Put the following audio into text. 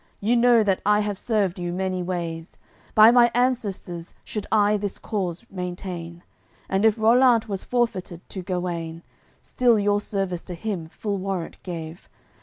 You know that I have served you many ways: By my ancestors should I this cause maintain. And if Rollant was forfeited to Guenes Still your service to him full warrant gave.